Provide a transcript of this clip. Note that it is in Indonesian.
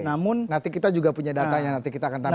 nanti kita juga punya datanya nanti kita akan tambahin juga